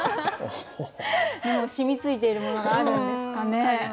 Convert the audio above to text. しみついているものがあるんですかね。